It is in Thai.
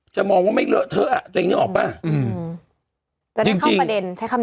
มองว่าไม่เลอะเทอะตัวเองนึกออกป่ะอืมจะได้เข้าประเด็นใช้คำนี้